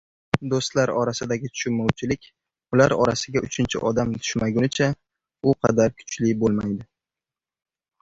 Do‘stlar orasidagi tushunmovchilik ular orasiga uchinchi odam tushmagunicha u qadar kuchli bo‘lmaydi.